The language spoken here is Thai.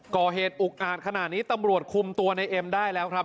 อุกอาจขนาดนี้ตำรวจคุมตัวในเอ็มได้แล้วครับ